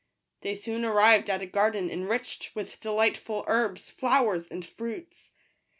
They soon arrived at a garden enriched with delightful herbs, flowers, and fruits.